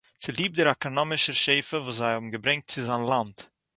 צוליב דער עקאָנאָמישער שפע וואָס זיי האָבן געברענגט צו זיין לאנד